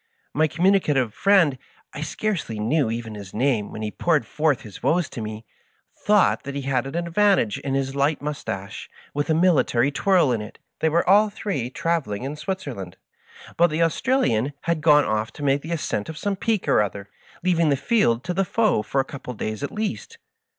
My communicative friend — ^I scarcely knew even his name when he poured forth his woes to mie — thought that he had an advantage in his light mustache, with a military twirl in it. They were all three travel ing in Switzerland, but the Australian had gone off to make the ascent of some peak or other, leaving the field to the foe for a couple of days at least.